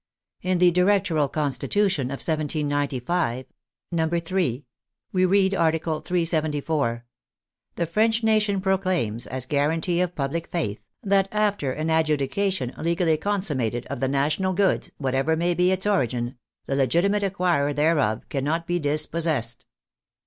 In the Directoral Constitution of 1795 (III.) we read. Article 374 :" The French nation proclaims, as guarantee of public faith, that after an adjudication legally consum mated, of the national goods, whatever may be its origin, the legitimate acquirer thereof cannot be dispossessed."